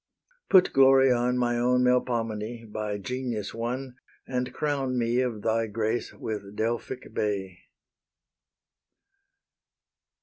Put glory on, My own Melpomene, by genius won, And crown me of thy grace with Delphic bay.